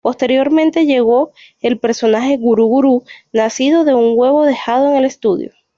Posteriormente llegó el personaje Guru-Guru, nacido de un huevo dejado en el estudio.